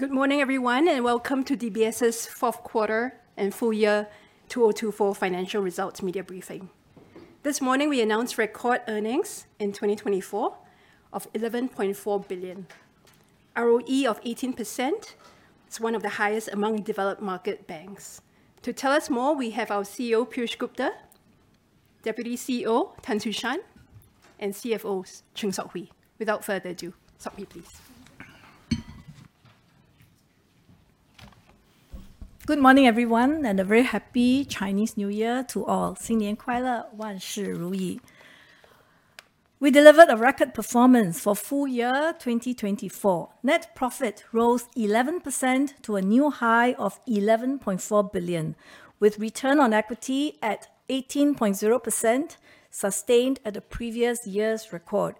Good morning, everyone, and welcome to DBS's fourth quarter and full year 2024 financial results media briefing. This morning, we announced record earnings in 2024 of 11.4 billion. ROE of 18%, it's one of the highest among developed market banks. To tell us more, we have our CEO, Piyush Gupta, Deputy CEO, Tan Su Shan, and CFO, Sok Hui Chng. Without further ado, Sok Hui, please. Good morning, everyone, and a very happy Chinese New Year to all.... We delivered a record performance for full year 2024. Net profit rose 11% to a new high of 11.4 billion, with return on equity at 18.0%, sustained at the previous year's record.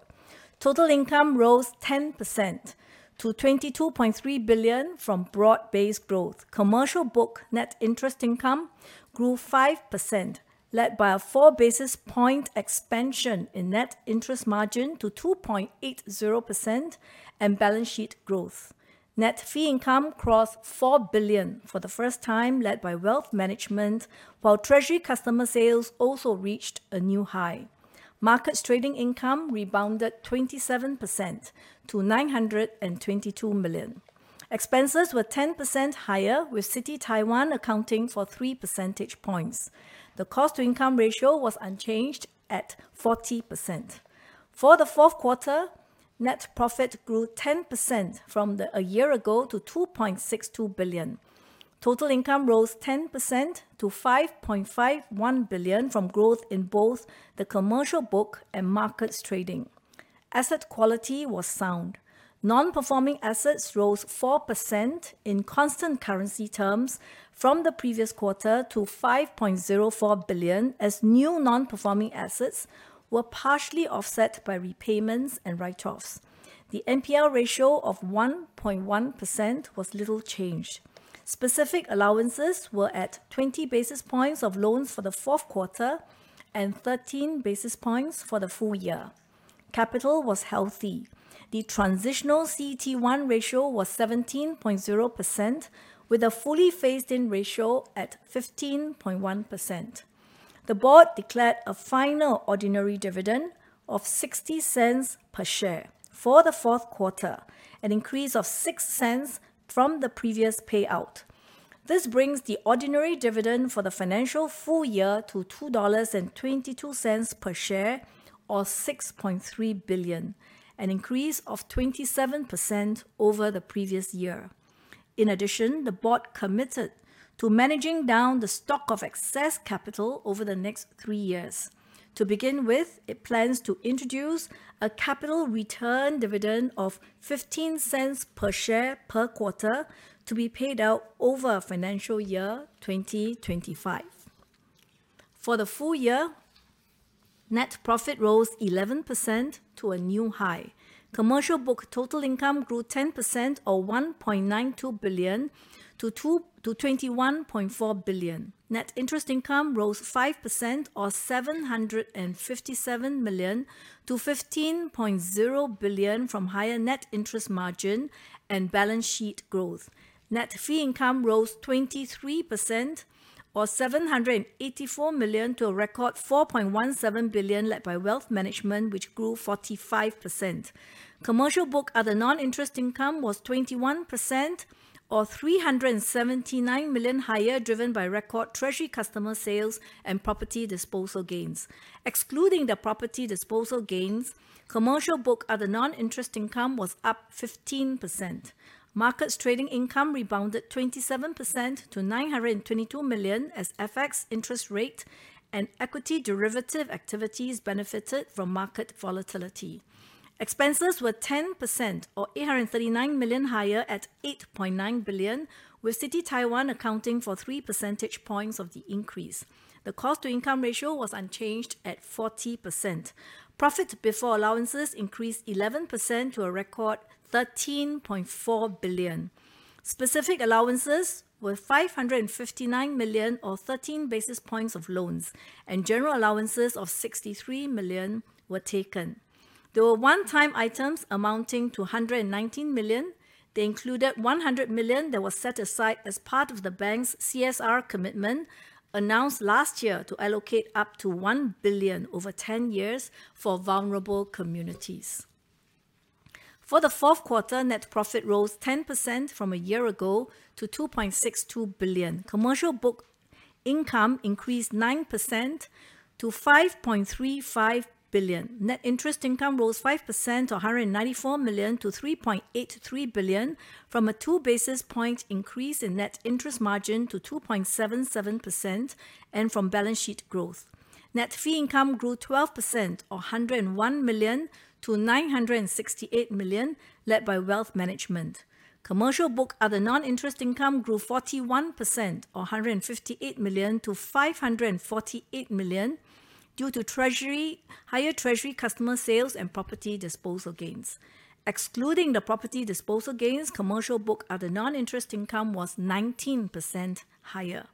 Total income rose 10% to 22.3 billion from broad-based growth. Commercial book net interest income grew 5%, led by a 4 basis points expansion in net interest margin to 2.80% and balance sheet growth. Net fee income crossed 4 billion for the first time, led by wealth management, while treasury customer sales also reached a new high. Markets trading income rebounded 27% to 922 million. Expenses were 10% higher, with Citi Taiwan accounting for 3 percentage points. The cost-to-income ratio was unchanged at 40%. For the fourth quarter, net profit grew 10% from a year ago to 2.62 billion. Total income rose 10% to 5.51 billion from growth in both the commercial book and markets trading. Asset quality was sound. Non-performing assets rose 4% in constant currency terms from the previous quarter to 5.04 billion, as new non-performing assets were partially offset by repayments and write-offs. The NPL ratio of 1.1% was little changed. Specific allowances were at 20 basis points of loans for the fourth quarter and 13 basis points for the full year. Capital was healthy. The transitional CET1 ratio was 17.0%, with a fully phased-in ratio at 15.1%. The Board declared a final ordinary dividend of 0.60 per share for the fourth quarter, an increase of 6 cents from the previous payout. This brings the ordinary dividend for the financial full year to SGD 2.22 per share or SGD 6.3 billion, an increase of 27% over the previous year. In addition, the Board committed to managing down the stock of excess capital over the next three years. To begin with, it plans to introduce a capital return dividend of 15 cents per share per quarter, to be paid out over financial year 2025. For the full year, net profit rose 11% to a new high. Commercial book total income grew 10% or 1.92 billion to 21.4 billion. Net interest income rose 5% or 757 million to 15.0 billion from higher net interest margin and balance sheet growth. Net fee income rose 23% or 784 million to a record 4.17 billion, led by wealth management, which grew 45%. Commercial book other non-interest income was 21% or 379 million higher, driven by record treasury customer sales and property disposal gains. Excluding the property disposal gains, commercial book other non-interest income was up 15%. Markets trading income rebounded 27% to 922 million, as FX interest rate and equity derivative activities benefited from market volatility. Expenses were 10% or 839 million higher at 8.9 billion, with Citi Taiwan accounting for three percentage points of the increase. The cost-to-income ratio was unchanged at 40%. Profit before allowances increased 11% to a record 13.4 billion. Specific allowances were 559 million or 13 basis points of loans, and general allowances of 63 million were taken. There were one-time items amounting to 119 million. They included 100 million that was set aside as part of the bank's CSR commitment, announced last year to allocate up to 1 billion over 10 years for vulnerable communities. For the fourth quarter, net profit rose 10% from a year ago to 2.62 billion. Commercial book income increased 9% to 5.35 billion. Net interest income rose 5%, or 194 million, to 3.83 billion from a 2 basis point increase in net interest margin to 2.77% and from balance sheet growth. Net fee income grew 12% or SGD 101 million to SGD 968 million, led by wealth management. Commercial book other non-interest income grew 41% or 158 million to 548 million due to higher treasury customer sales and property disposal gains. Excluding the property disposal gains, commercial book other non-interest income was 19% higher.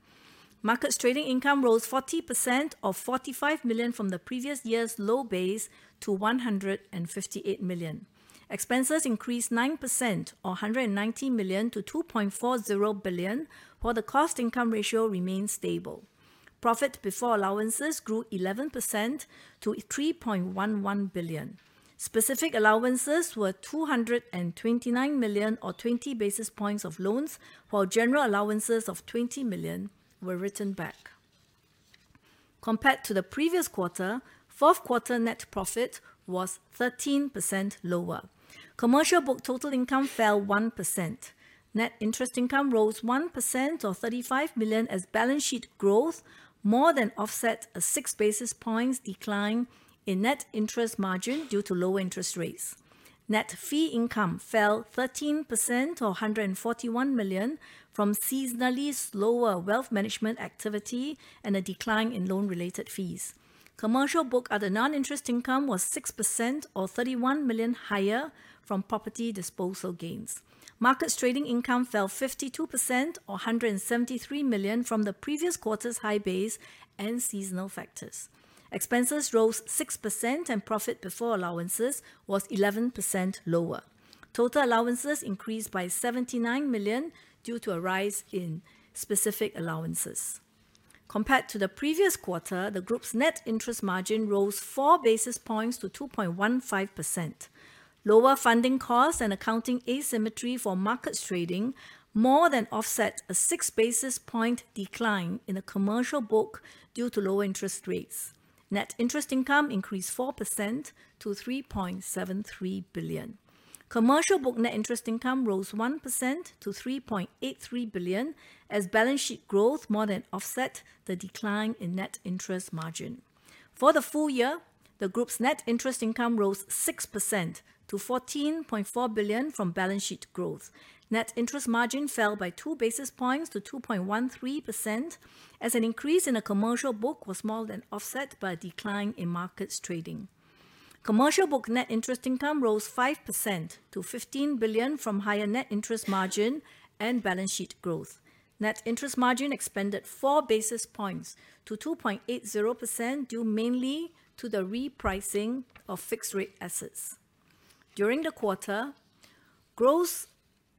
Markets trading income rose 40% or 45 million from the previous year's low base to 158 million. Expenses increased 9%, or 190 million, to 2.40 billion, while the cost income ratio remained stable. Profit before allowances grew 11% to 3.11 billion. Specific allowances were 229 million, or 20 basis points of loans, while general allowances of 20 million were written back. Compared to the previous quarter, fourth quarter net profit was 13% lower. Commercial book total income fell 1%. Net interest income rose 1%, or 35 million, as balance sheet growth more than offset a 6 basis points decline in net interest margin due to low interest rates. Net fee income fell 13%, or 141 million, from seasonally slower wealth management activity and a decline in loan-related fees. Commercial book other non-interest income was 6% or 31 million higher from property disposal gains. Markets trading income fell 52%, or 173 million, from the previous quarter's high base and seasonal factors. Expenses rose 6% and profit before allowances was 11% lower. Total allowances increased by 79 million due to a rise in specific allowances. Compared to the previous quarter, the group's net interest margin rose 4 basis points to 2.15%. Lower funding costs and accounting asymmetry for markets trading more than offset a 6 basis point decline in the commercial book due to low interest rates. Net interest income increased 4% to 3.73 billion. Commercial book net interest income rose 1% to 3.83 billion, as balance sheet growth more than offset the decline in net interest margin. For the full year, the group's net interest income rose 6% to 14.4 billion from balance sheet growth. Net interest margin fell by 2 basis points to 2.13%, as an increase in the commercial book was more than offset by a decline in markets trading. Commercial book net interest income rose 5% to 15 billion from higher net interest margin and balance sheet growth. Net interest margin expanded 4 basis points to 2.80%, due mainly to the repricing of fixed-rate assets. During the quarter, gross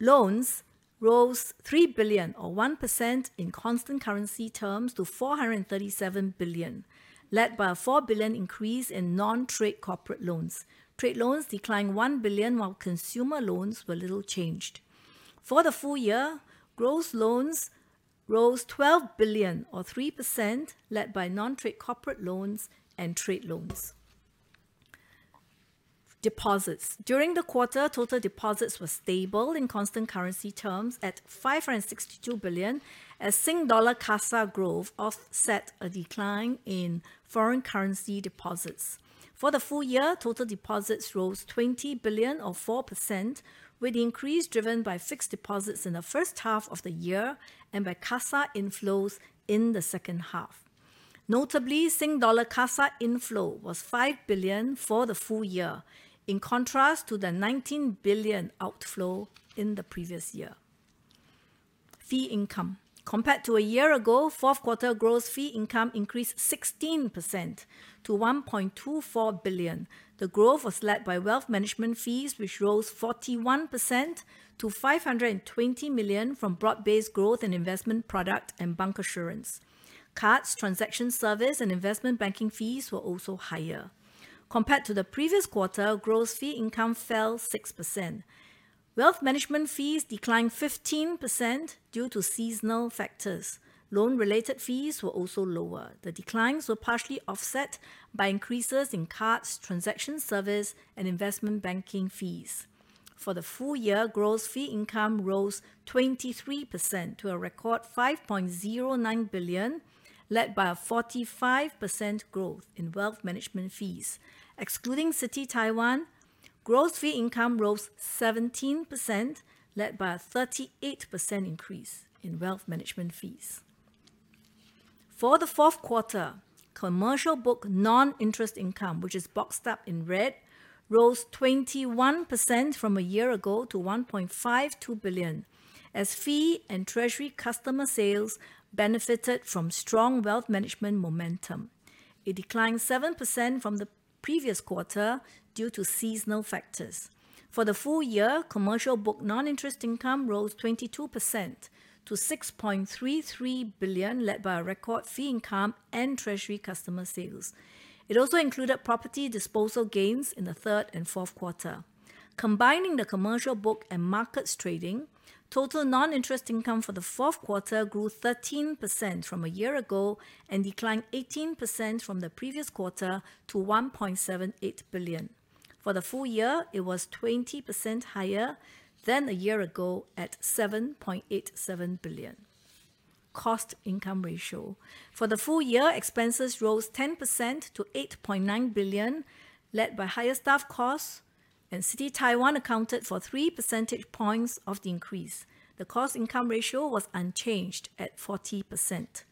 loans rose 3 billion, or 1%, in constant currency terms to 437 billion, led by a 4 billion increase in non-trade corporate loans. Trade loans declined 1 billion, while consumer loans were little changed. For the full year, gross loans rose 12 billion, or 3%, led by non-trade corporate loans and trade loans. Deposits. During the quarter, total deposits were stable in constant currency terms at 562 billion, as Singapore dollar CASA growth offset a decline in foreign currency deposits. For the full year, total deposits rose 20 billion, or 4%, with the increase driven by fixed deposits in the first half of the year and by CASA inflows in the second half. Notably, Singapore dollar CASA inflow was 5 billion for the full year, in contrast to the 19 billion outflow in the previous year. Fee income. Compared to a year ago, fourth quarter gross fee income increased 16% to 1.24 billion. The growth was led by wealth management fees, which rose 41% to 520 million from broad-based growth in investment product and bancassurance. Cards, transaction service, and investment banking fees were also higher. Compared to the previous quarter, gross fee income fell 6%. Wealth management fees declined 15% due to seasonal factors. Loan-related fees were also lower. The declines were partially offset by increases in cards, transaction service, and investment banking fees. For the full year, gross fee income rose 23% to a record 5.09 billion, led by a 45% growth in wealth management fees. Excluding Citi Taiwan, gross fee income rose 17%, led by a 38% increase in wealth management fees. For the fourth quarter, commercial book non-interest income, which is boxed up in red, rose 21% from a year ago to SGD 1.52 billion, as fee and treasury customer sales benefited from strong wealth management momentum. It declined 7% from the previous quarter due to seasonal factors. For the full year, commercial book non-interest income rose 22% to 6.33 billion, led by a record fee income and treasury customer sales. It also included property disposal gains in the third and fourth quarter. Combining the commercial book and markets trading, total non-interest income for the fourth quarter grew 13% from a year ago and declined 18% from the previous quarter to 1.78 billion. For the full year, it was 20% higher than a year ago at 7.87 billion. Cost income ratio. For the full year, expenses rose 10% to 8.9 billion, led by higher staff costs. Citi Taiwan accounted for 3 percentage points of the increase. The cost income ratio was unchanged at 40%.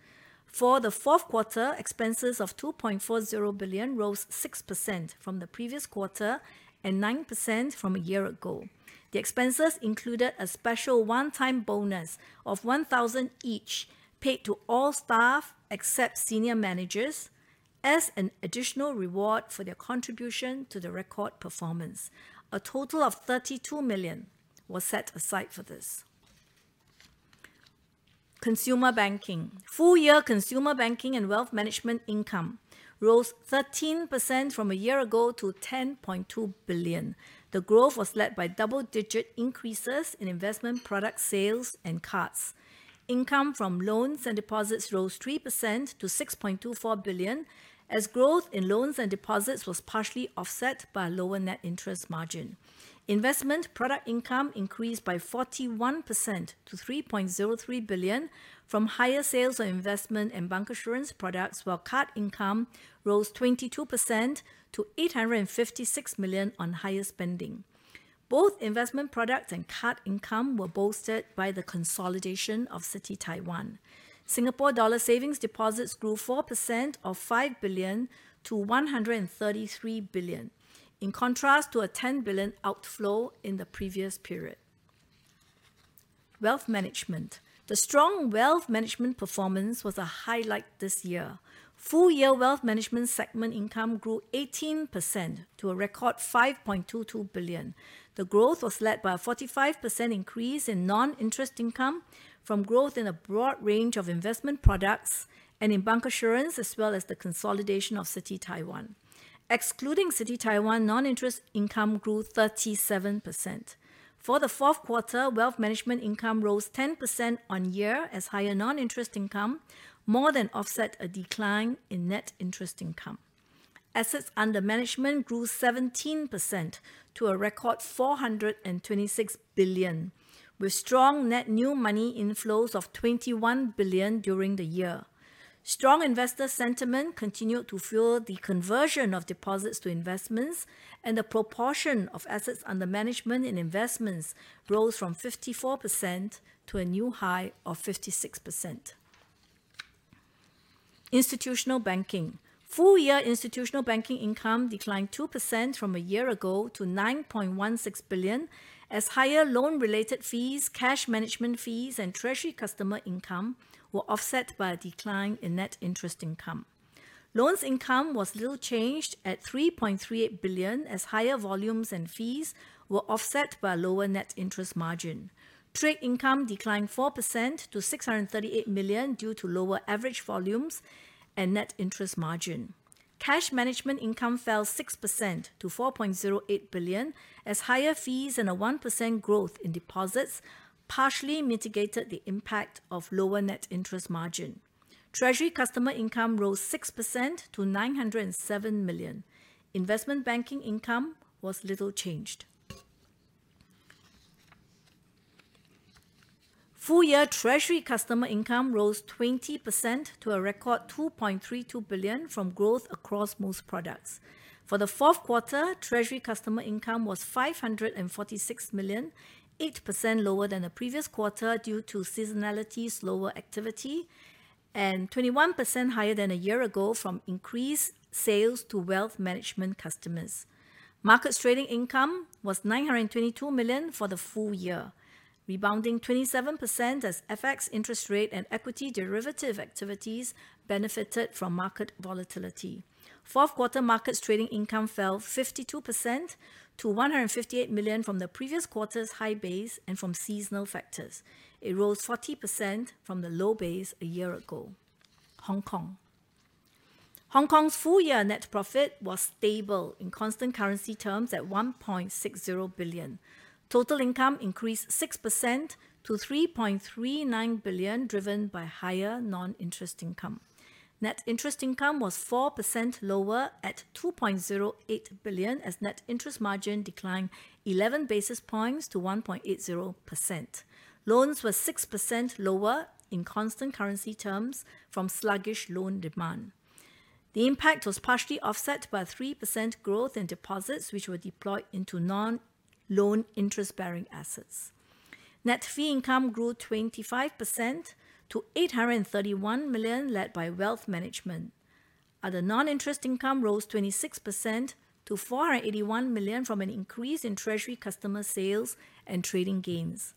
For the fourth quarter, expenses of 2.40 billion rose 6% from the previous quarter and 9% from a year ago. The expenses included a special one-time bonus of 1,000 each, paid to all staff except senior managers, as an additional reward for their contribution to the record performance. A total of 32 million was set aside for this. Consumer Banking. Full-year Consumer Banking and Wealth Management income rose 13% from a year ago to 10.2 billion. The growth was led by double-digit increases in investment product sales and cards. Income from loans and deposits rose 3% to 6.24 billion, as growth in loans and deposits was partially offset by a lower net interest margin. Investment product income increased by 41% to 3.03 billion from higher sales of investment and bancassurance products, while card income rose 22% to 856 million on higher spending. Both investment products and card income were bolstered by the consolidation of Citi Taiwan. Singapore dollar savings deposits grew 4% or 5 billion to 133 billion, in contrast to a 10 billion outflow in the previous period. Wealth management. The strong wealth management performance was a highlight this year. Full year wealth management segment income grew 18% to a record 5.22 billion. The growth was led by a 45% increase in non-interest income from growth in a broad range of investment products and in bancassurance, as well as the consolidation of Citi Taiwan. Excluding Citi Taiwan, non-interest income grew 37%. For the fourth quarter, wealth management income rose 10% on year as higher non-interest income more than offset a decline in net interest income. Assets under management grew 17% to a record SGD 426 billion, with strong net new money inflows of SGD 21 billion during the year. Strong investor sentiment continued to fuel the conversion of deposits to investments, and the proportion of assets under management in investments rose from 54% to a new high of 56%. Institutional banking. Full year institutional banking income declined 2% from a year ago to 9.16 billion, as higher loan-related fees, cash management fees, and treasury customer income were offset by a decline in net interest income. Loans income was little changed at 3.38 billion, as higher volumes and fees were offset by a lower net interest margin. Trade income declined 4% to 638 million due to lower average volumes and net interest margin. Cash management income fell 6% to 4.08 billion, as higher fees and a 1% growth in deposits partially mitigated the impact of lower net interest margin. Treasury customer income rose 6% to 907 million. Investment banking income was little changed. Full year treasury customer income rose 20% to a record 2.32 billion from growth across most products. For the fourth quarter, treasury customer income was 546 million, 8% lower than the previous quarter due to seasonality, slower activity, and 21% higher than a year ago from increased sales to wealth management customers. Markets trading income was 922 million for the full year, rebounding 27% as FX interest rate and equity derivative activities benefited from market volatility. Fourth quarter markets trading income fell 52% to 158 million from the previous quarter's high base and from seasonal factors. It rose 40% from the low base a year ago. Hong Kong. Hong Kong's full year net profit was stable in constant currency terms at 1.60 billion. Total income increased 6% to 3.39 billion, driven by higher non-interest income. Net interest income was 4% lower at 2.08 billion, as net interest margin declined 11 basis points to 1.80%. Loans were 6% lower in constant currency terms from sluggish loan demand. The impact was partially offset by a 3% growth in deposits, which were deployed into non-loan interest-bearing assets. Net fee income grew 25% to 831 million, led by wealth management. Other non-interest income rose 26% to 481 million from an increase in treasury customer sales and trading gains.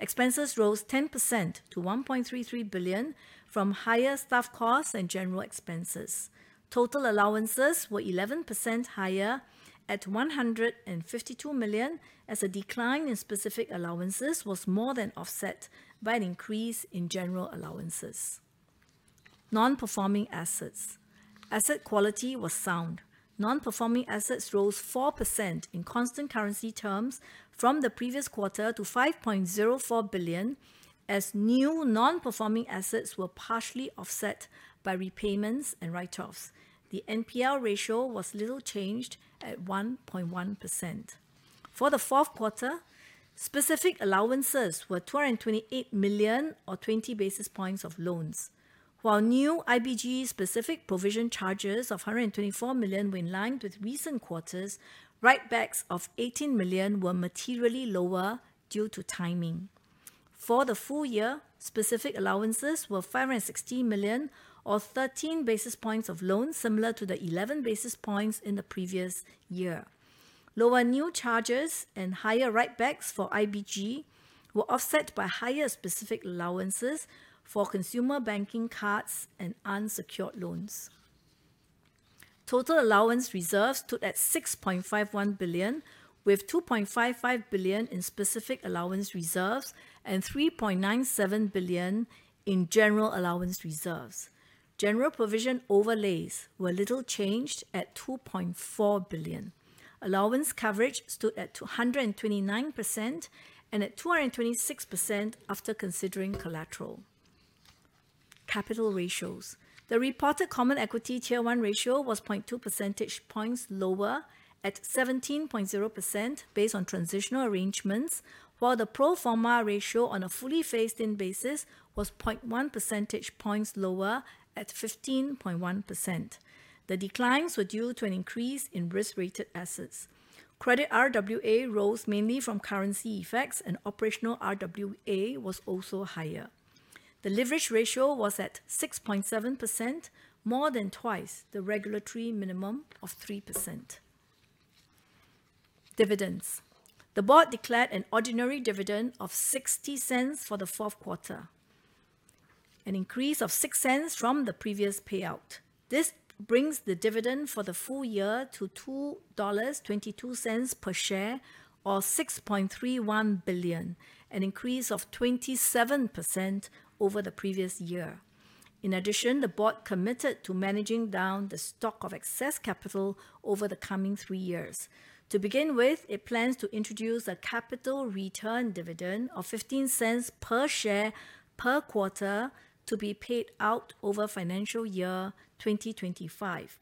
Expenses rose 10% to 1.33 billion from higher staff costs and general expenses. Total allowances were 11% higher at 152 million, as a decline in specific allowances was more than offset by an increase in general allowances. Non-performing assets. Asset quality was sound. Non-performing assets rose 4% in constant currency terms from the previous quarter to 5.04 billion, as new non-performing assets were partially offset by repayments and write-offs. The NPL ratio was little changed at 1.1%. For the fourth quarter, specific allowances were 228 million or 20 basis points of loans. While new IBG specific provision charges of 124 million were in line with recent quarters, write-backs of 18 million were materially lower due to timing. For the full year, specific allowances were 560 million, or 13 basis points of loans, similar to the 11 basis points in the previous year. Lower new charges and higher write-backs for IBG were offset by higher specific allowances for consumer banking cards and unsecured loans. Total allowance reserves stood at 6.51 billion, with 2.55 billion in specific allowance reserves and 3.97 billion in general allowance reserves. General provision overlays were little changed at 2.4 billion. Allowance coverage stood at 229%, and at 226% after considering collateral. Capital ratios. The reported Common Equity Tier 1 ratio was 0.2 percentage points lower at 17.0% based on transitional arrangements, while the pro forma ratio on a fully phased-in basis was 0.1 percentage points lower at 15.1%. The declines were due to an increase in risk-weighted assets. Credit RWA rose mainly from currency effects, and operational RWA was also higher. The leverage ratio was at 6.7%, more than twice the regulatory minimum of 3%. Dividends. The board declared an ordinary dividend of 0.60 for the fourth quarter, an increase of 0.06 from the previous payout. This brings the dividend for the full year to 2.22 dollars per share, or 6.31 billion, an increase of 27% over the previous year. In addition, the board committed to managing down the stock of excess capital over the coming 3 years. To begin with, it plans to introduce a capital return dividend of 0.15 per share per quarter, to be paid out over financial year 2025.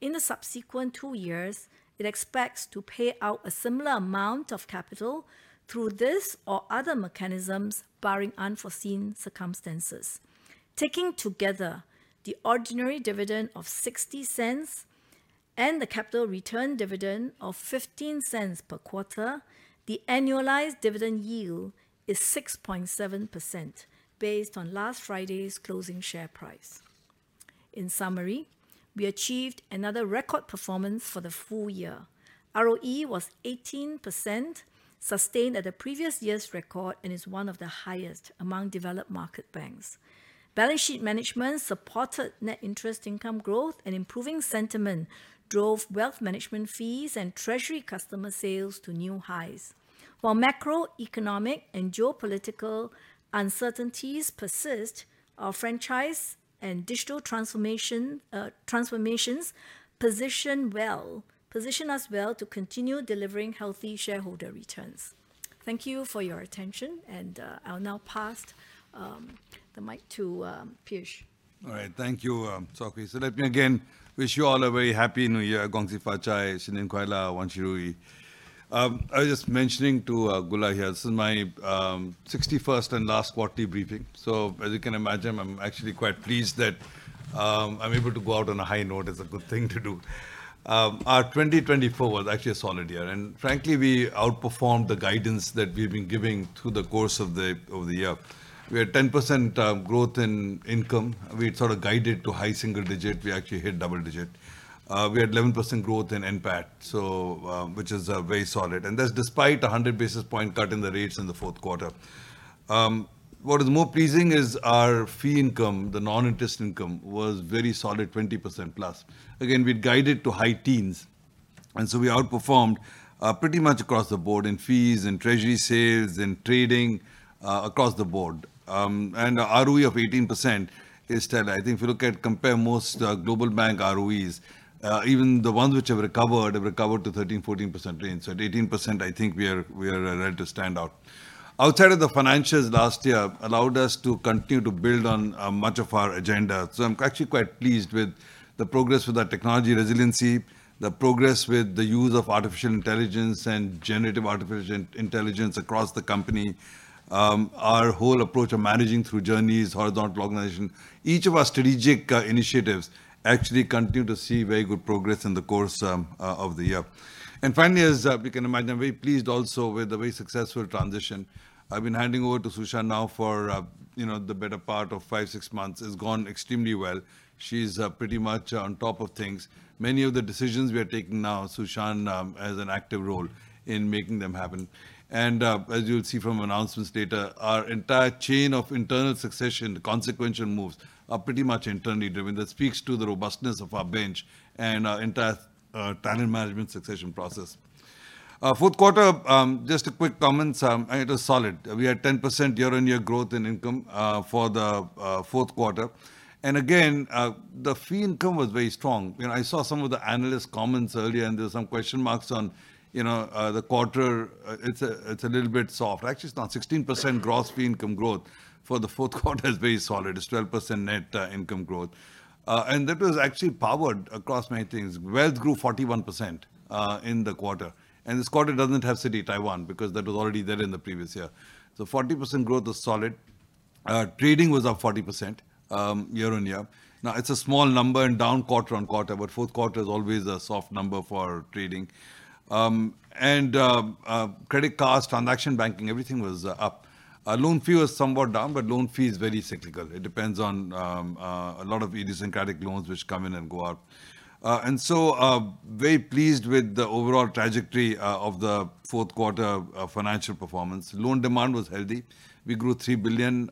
In the subsequent 2 years, it expects to pay out a similar amount of capital through this or other mechanisms, barring unforeseen circumstances. Taking together the ordinary dividend of 0.60 and the capital return dividend of 0.15 per quarter, the annualized dividend yield is 6.7%, based on last Friday's closing share price. In summary, we achieved another record performance for the full year. ROE was 18%, sustained at the previous year's record, and is one of the highest among developed market banks. Balance sheet management supported net interest income growth, and improving sentiment drove wealth management fees and treasury customer sales to new highs. While macroeconomic and geopolitical uncertainties persist, our franchise and digital transformations position us well to continue delivering healthy shareholder returns. Thank you for your attention, and, I'll now pass the mic to Piyush. All right. Thank you, Sok Hui. So let me again wish you all a very happy New Year. Gong xi fa cai, xin nian kuai le, wan shu yi. I was just mentioning to, Goola here, this is my 61st and last quarterly briefing. So as you can imagine, I'm actually quite pleased that, I'm able to go out on a high note. It's a good thing to do. Our 2024 was actually a solid year, and frankly, we outperformed the guidance that we've been giving through the course of the, of the year. We had 10% growth in income. We'd sort of guided to high single digit. We actually hit double digit. We had 11% growth in NPAT, so, which is, very solid. And that's despite a 100 basis point cut in the rates in the fourth quarter. What is more pleasing is our fee income. The non-interest income was very solid, 20% plus. Again, we'd guided to high teens, and so we outperformed, pretty much across the board in fees and treasury sales, in trading, across the board. And ROE of 18% is steady. I think if you look at compare most, global bank ROEs, even the ones which have recovered, have recovered to 13, 14% range. So at 18%, I think we are, we are ready to stand out. Outside of the financials, last year allowed us to continue to build on, much of our agenda. So I'm actually quite pleased with the progress with our technology resiliency, the progress with the use of artificial intelligence and generative artificial intelligence across the company, our whole approach of managing through journeys, horizontal organization. Each of our strategic initiatives actually continue to see very good progress in the course of the year. And finally, as you can imagine, I'm very pleased also with the very successful transition. I've been handing over to Su Shan now for, you know, the better part of 5, 6 months. It's gone extremely well. She's pretty much on top of things. Many of the decisions we are taking now, Su Shan has an active role in making them happen. And, as you'll see from announcements data, our entire chain of internal succession, the consequential moves, are pretty much internally driven. That speaks to the robustness of our bench and our entire talent management succession process. Fourth quarter, just a quick comment, it is solid. We are at 10% year-on-year growth in income for the fourth quarter. And again, the fee income was very strong. You know, I saw some of the analyst comments earlier, and there's some question marks on, you know, the quarter. It's a little bit soft. Actually, it's not. 16% gross fee income growth for the fourth quarter is very solid. It's 12% net income growth, and that was actually powered across many things. Wealth grew 41% in the quarter, and this quarter doesn't have Citi Taiwan, because that was already there in the previous year. So 40% growth is solid.... Trading was up 40%, year-on-year. Now, it's a small number and down quarter-on-quarter, but fourth quarter is always a soft number for trading. Credit cost, transaction banking, everything was up. Loan fee was somewhat down, but loan fee is very cyclical. It depends on a lot of idiosyncratic loans which come in and go out. And so, very pleased with the overall trajectory of the fourth quarter financial performance. Loan demand was healthy. We grew 3 billion,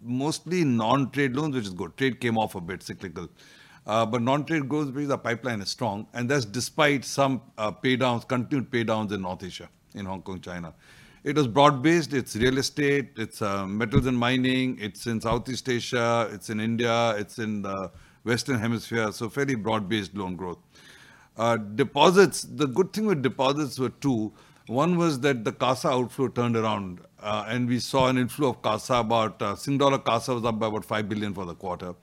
mostly non-trade loans, which is good. Trade came off a bit cyclical. But non-trade growth, really the pipeline is strong, and that's despite some pay downs, continued pay downs in North Asia, in Hong Kong, China. It is broad-based, it's real estate, it's metals and mining, it's in Southeast Asia, it's in India, it's in the Western Hemisphere, so fairly broad-based loan growth. Deposits, the good thing with deposits were two. One was that the CASA outflow turned around, and we saw an inflow of CASA about Sing Dollar CASA was up by about 5 billion for the quarter.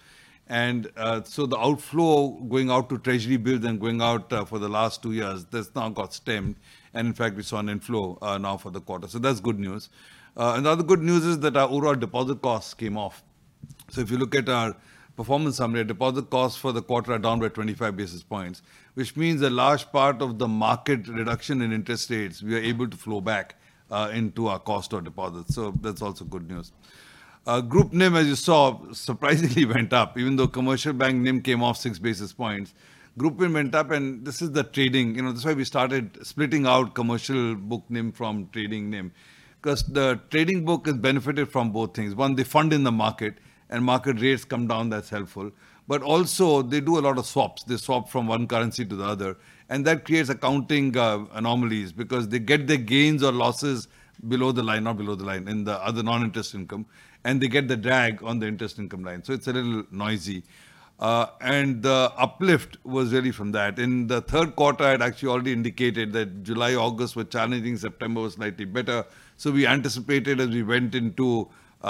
And so the outflow going out to treasury bills and going out for the last 2 years, that's now got stemmed, and in fact, we saw an inflow now for the quarter. So that's good news. Another good news is that our overall deposit costs came off. So if you look at our performance summary, deposit costs for the quarter are down by 25 basis points, which means a large part of the market reduction in interest rates were able to flow back into our cost of deposits. So that's also good news. Group NIM, as you saw, surprisingly went up, even though commercial bank NIM came off 6 basis points. Group NIM went up, and this is the trading. You know, that's why we started splitting out commercial book NIM from trading NIM. 'Cause the trading book has benefited from both things. One, they fund in the market, and market rates come down, that's helpful. But also, they do a lot of swaps. They swap from one currency to the other, and that creates accounting anomalies because they get the gains or losses below the line or below the line in the other non-interest income, and they get the drag on the interest income line, so it's a little noisy. And the uplift was really from that. In the third quarter, I'd actually already indicated that July, August were challenging, September was slightly better. So we anticipated as we went into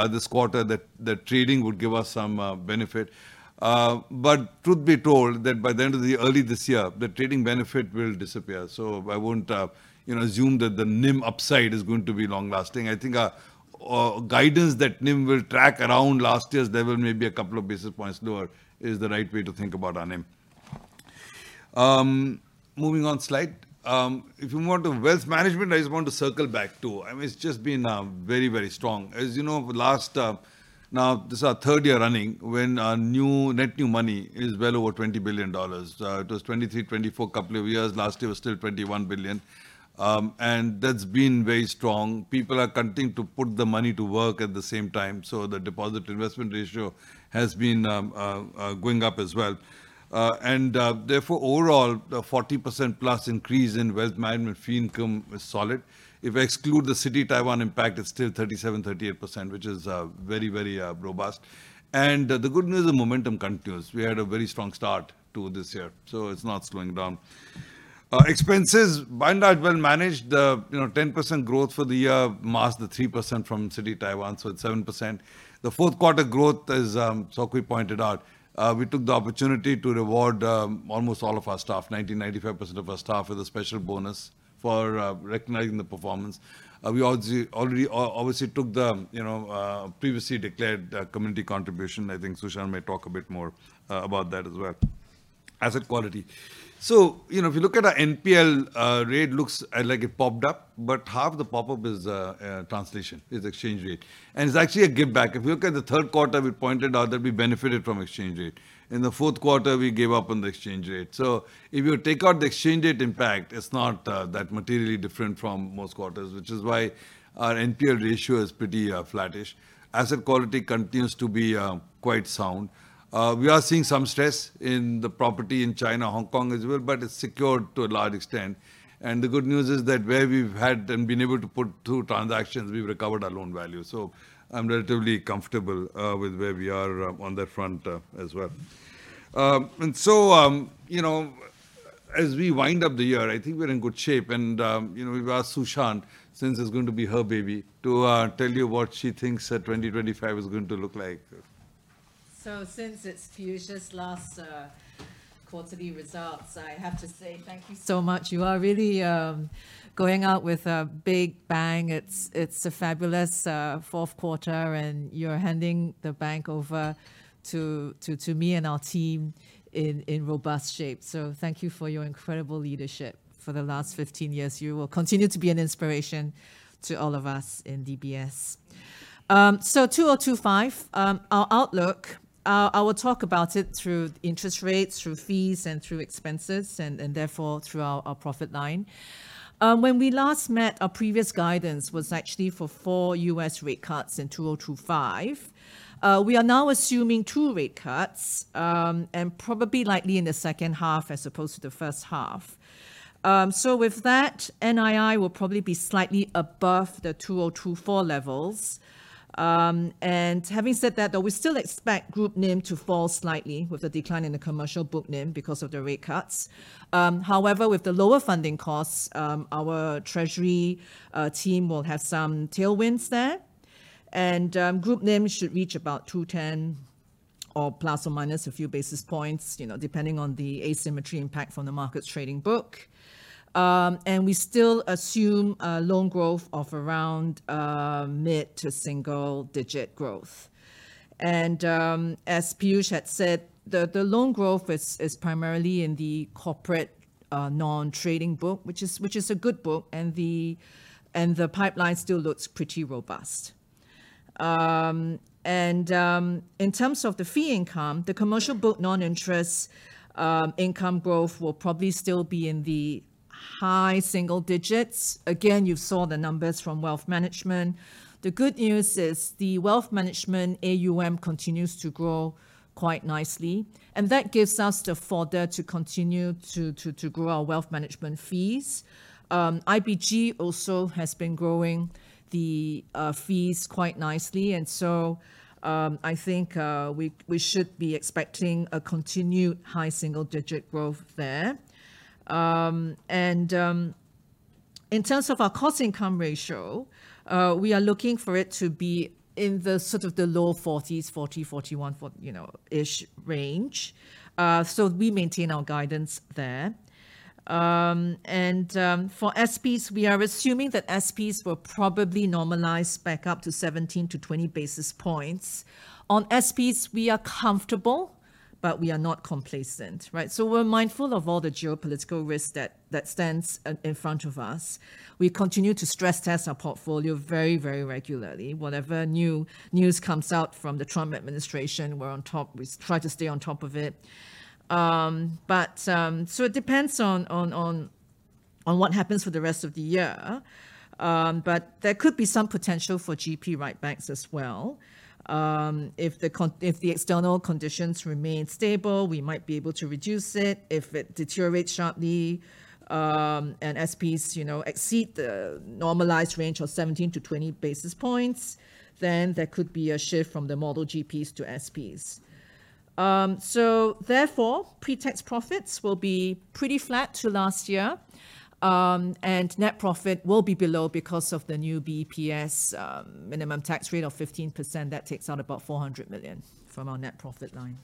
this quarter that the trading would give us some benefit. But truth be told, that by the end of the early this year, the trading benefit will disappear, so I wouldn't you know, assume that the NIM upside is going to be long lasting. I think our guidance that NIM will track around last year's, there will maybe a couple of basis points lower, is the right way to think about our NIM. Moving on, slide. If you move on to wealth management, I just want to circle back to. I mean, it's just been very, very strong. As you know, last. Now, this is our third year running when our new net new money is well over $20 billion. It was $23-$24 billion a couple of years. Last year was still $21 billion. And that's been very strong. People are continuing to put the money to work at the same time, so the deposit investment ratio has been going up as well. And therefore, overall, the 40%+ increase in wealth management fee income is solid. If I exclude the Citi Taiwan impact, it's still 37%-38%, which is very, very robust. And the good news, the momentum continues. We had a very strong start to this year, so it's not slowing down. Expenses, by and large, well managed. The, you know, 10% growth for the year, minus the 3% from Citi Taiwan, so it's 7%. The fourth quarter growth is, Sok Hui pointed out, we took the opportunity to reward almost all of our staff, 90%-95% of our staff with a special bonus for recognizing the performance. We obviously already obviously took the, you know, previously declared community contribution. I think Su Shan may talk a bit more about that as well. Asset quality. So, you know, if you look at our NPL rate, looks like it popped up, but half the pop-up is translation, is exchange rate, and it's actually a give back. If you look at the third quarter, we pointed out that we benefited from exchange rate. In the fourth quarter, we gave up on the exchange rate. So if you take out the exchange rate impact, it's not that materially different from most quarters, which is why our NPL ratio is pretty flattish. Asset quality continues to be quite sound. We are seeing some stress in the property in China, Hong Kong as well, but it's secured to a large extent. And the good news is that where we've had and been able to put two transactions, we've recovered our loan value. So I'm relatively comfortable with where we are on that front as well. So, you know, as we wind up the year, I think we're in good shape. And, you know, we've asked Su Shan, since it's going to be her baby, to tell you what she thinks 2025 is going to look like. So since it's Piyush's just last quarterly results, I have to say thank you so much. You are really going out with a big bang. It's a fabulous fourth quarter, and you're handing the bank over to me and our team in robust shape. So thank you for your incredible leadership for the last 15 years. You will continue to be an inspiration to all of us in DBS. So 2025, our outlook, I will talk about it through interest rates, through fees, and through expenses, and therefore, through our profit line. When we last met, our previous guidance was actually for 4 U.S. rate cuts in 2025. We are now assuming 2 rate cuts, and probably likely in the second half as opposed to the first half. So with that, NII will probably be slightly above the 2024 levels. And having said that, though, we still expect group NIM to fall slightly with the decline in the commercial book NIM because of the rate cuts. However, with the lower funding costs, our treasury team will have some tailwinds there. And group NIM should reach about 2.10 or plus or minus a few basis points, you know, depending on the asymmetry impact from the market's trading book. And we still assume loan growth of around mid- to single-digit growth. And as Piyush had said, the loan growth is primarily in the corporate non-trading book, which is a good book, and the pipeline still looks pretty robust. And, in terms of the fee income, the commercial book non-interest income growth will probably still be in the high single digits. Again, you saw the numbers from wealth management. The good news is the wealth management AUM continues to grow quite nicely, and that gives us the fodder to continue to grow our wealth management fees. IBG also has been growing the fees quite nicely, and so, I think, we should be expecting a continued high single-digit growth there. And, in terms of our cost-income ratio, we are looking for it to be in the sort of the low 40s, 40, 41, 40, you know, ish range. So we maintain our guidance there. And, for SPs, we are assuming that SPs will probably normalize back up to 17-20 basis points. On SPs, we are comfortable, but we are not complacent, right? So we're mindful of all the geopolitical risks that stands in front of us. We continue to stress-test our portfolio very, very regularly. Whatever new news comes out from the Trump administration, we're on top... we try to stay on top of it. But so it depends on what happens for the rest of the year. But there could be some potential for GP write-backs as well. If the external conditions remain stable, we might be able to reduce it. If it deteriorates sharply, and SPs, you know, exceed the normalized range of 17-20 basis points, then there could be a shift from the model GPs to SPs. So therefore, pre-tax profits will be pretty flat to last year, and net profit will be below because of the new BEPS minimum tax rate of 15%. That takes out about 400 million from our net profit line.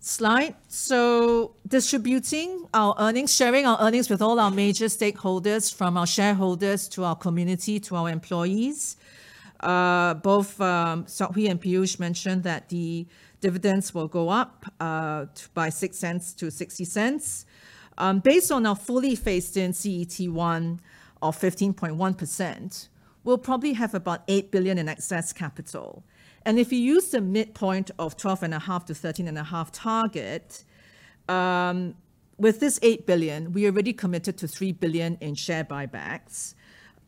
Slide. So distributing our earnings, sharing our earnings with all our major stakeholders, from our shareholders, to our community, to our employees. Both Sok Hui and Piyush mentioned that the dividends will go up by 0.06 to 0.60. Based on our fully phased-in CET1 of 15.1%, we'll probably have about 8 billion in excess capital. And if you use the midpoint of 12.5%-13.5% target, with this 8 billion, we already committed to 3 billion in share buybacks,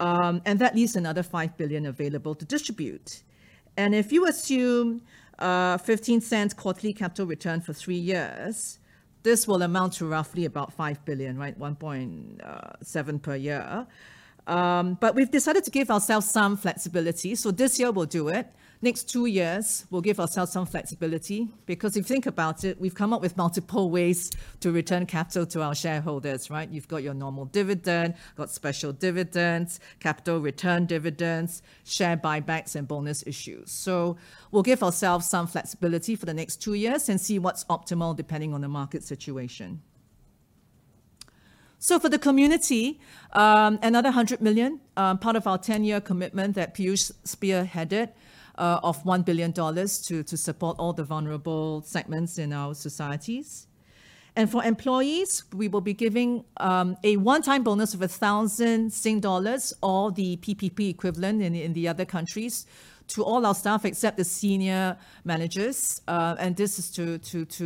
and that leaves another 5 billion available to distribute. If you assume 15 cents quarterly capital return for 3 years, this will amount to roughly about 5 billion, right? 1.7 per year. But we've decided to give ourselves some flexibility, so this year we'll do it. Next two years, we'll give ourselves some flexibility, because if you think about it, we've come up with multiple ways to return capital to our shareholders, right? You've got your normal dividend, you've got special dividends, capital return dividends, share buybacks, and bonus issues. So we'll give ourselves some flexibility for the next two years and see what's optimal depending on the market situation. So for the community, another 100 million, part of our 10-year commitment that Piyush spearheaded, of 1 billion dollars to, to support all the vulnerable segments in our societies. For employees, we will be giving a one-time bonus of 1,000 Sing dollars, or the PPP equivalent in the other countries, to all our staff except the senior managers. This is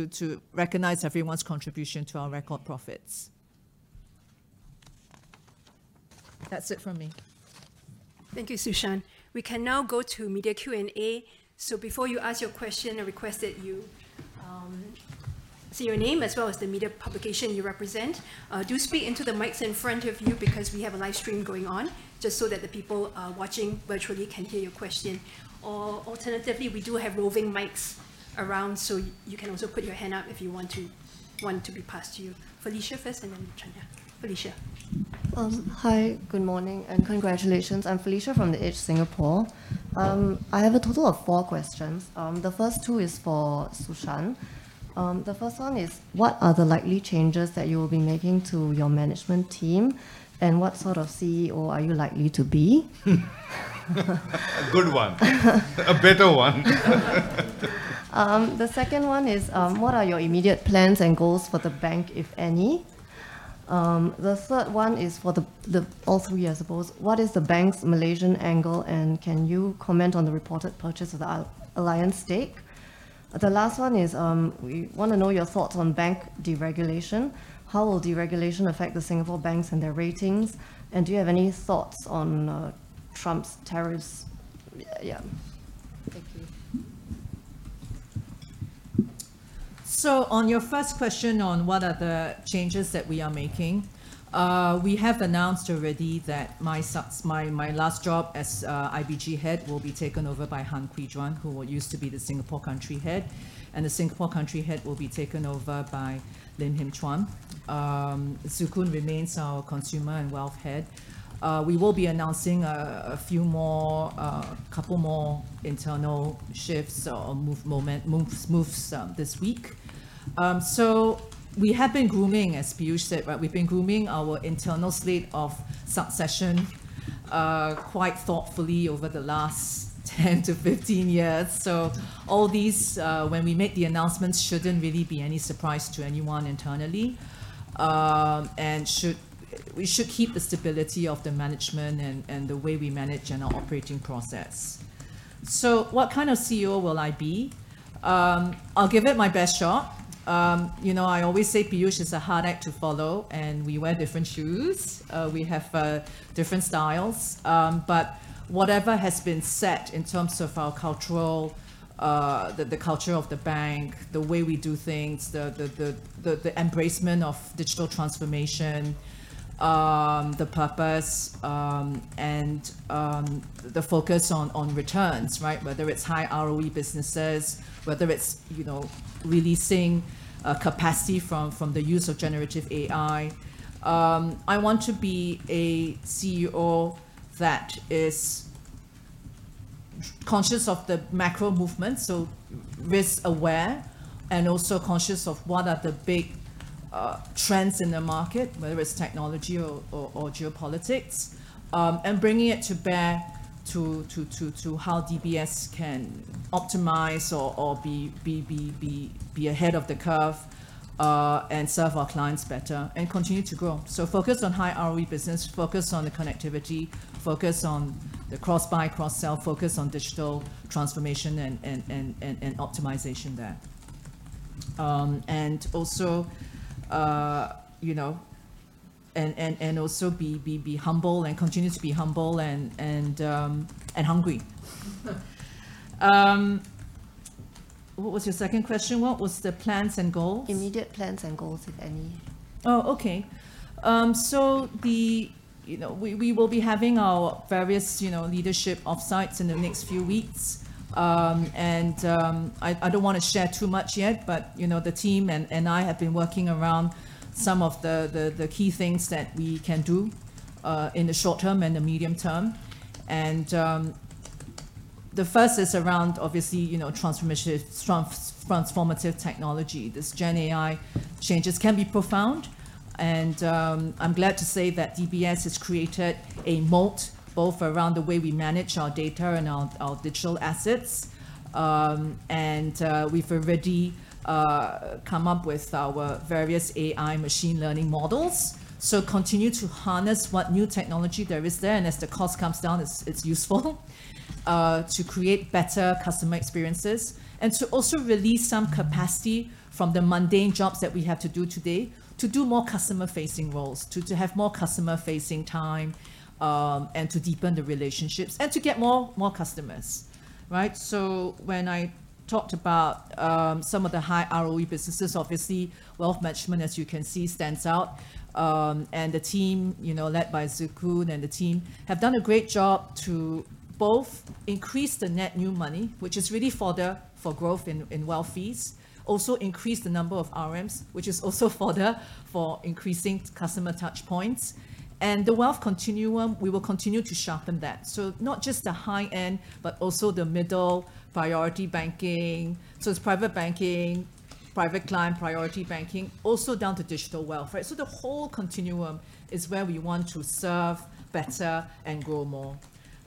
to recognize everyone's contribution to our record profits. That's it from me. Thank you, Su Shan. We can now go to media Q&A. So before you ask your question, I request that you say your name as well as the media publication you represent. Do speak into the mics in front of you because we have a live stream going on, just so that the people watching virtually can hear your question. Or alternatively, we do have roving mics around, so you can also put your hand up if you want to have it passed to you. Felicia first, and then Chanya. Felicia? Hi, good morning and congratulations. I'm Felicia from The Edge Singapore. I have a total of four questions. The first two is for Su Shan. The first one is, what are the likely changes that you will be making to your management team, and what sort of CEO are you likely to be? A good one. A better one. The second one is, what are your immediate plans and goals for the bank, if any? The third one is for the, the, all three, I suppose: What is the bank's Malaysian angle, and can you comment on the reported purchase of the Alliance stake? The last one is, we want to know your thoughts on bank deregulation. How will deregulation affect the Singapore banks and their ratings? And do you have any thoughts on, Trump's tariffs? Yeah. Thank you. So on your first question on what are the changes that we are making, we have announced already that my last job as IBG head will be taken over by Han Kwee Juan, who used to be the Singapore country head, and the Singapore country head will be taken over by Lim Him Chuan. Tse Koon remains our consumer and wealth head. We will be announcing a few more couple more internal shifts or moves this week. So we have been grooming, as Piyush said, right? We've been grooming our internal slate of succession quite thoughtfully over the last 10-15 years. So all these, when we make the announcements, shouldn't really be any surprise to anyone internally. We should keep the stability of the management and the way we manage and our operating process. So what kind of CEO will I be? I'll give it my best shot. You know, I always say Piyush is a hard act to follow, and we wear different shoes. We have different styles. But whatever has been set in terms of our culture, the culture of the bank, the way we do things, the embracement of digital transformation, the purpose, and the focus on returns, right? Whether it's high ROE businesses, whether it's, you know, releasing capacity from the use of generative AI. I want to be a CEO that is conscious of the macro movement, so risk aware, and also conscious of what are the big trends in the market, whether it's technology or geopolitics, and bringing it to bear to how DBS can optimize or be ahead of the curve, and serve our clients better and continue to grow. So focus on high ROE business, focus on the connectivity, focus on the cross-buy, cross-sell, focus on digital transformation and optimization there. And also, you know, and also be humble and continue to be humble and hungry. What was your second question? What was the plans and goals? Immediate plans and goals, if any. Oh, okay. So, you know, we, we will be having our various, you know, leadership off-sites in the next few weeks. And, I don't want to share too much yet, but, you know, the team and I have been working around some of the key things that we can do in the short term and the medium term. And, the first is around obviously, you know, transformative technology. This Gen AI changes can be profound, and I'm glad to say that DBS has created a moat, both around the way we manage our data and our digital assets. And, we've already come up with our various AI machine learning models. So continue to harness what new technology there is there, and as the cost comes down, it's useful to create better customer experiences and to also release some capacity from the mundane jobs that we have to do today, to do more customer-facing roles, to have more customer-facing time, and to deepen the relationships, and to get more customers, right? So when I talked about some of the high ROE businesses, obviously wealth management, as you can see, stands out. And the team, you know, led by Zekun and the team, have done a great job to both increase the net new money, which is really fodder for growth in wealth fees. Also increase the number of RMs, which is also fodder for increasing customer touch points. And the wealth continuum, we will continue to sharpen that. So not just the high end, but also the middle priority banking. So it's private banking, private client priority banking, also down to digital wealth, right? So the whole continuum is where we want to serve better and grow more.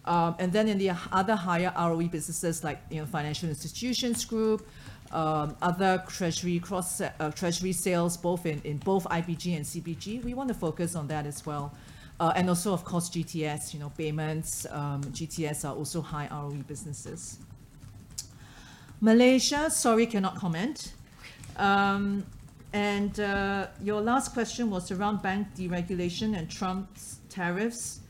And then in the other higher ROE businesses like, you know, financial institutions group, other treasury cross, treasury sales, both in both IBG and CBG, we want to focus on that as well. And also, of course, GTS, you know, payments, GTS are also high ROE businesses. Malaysia, sorry, cannot comment. And, your last question was around bank deregulation and Trump's tariffs.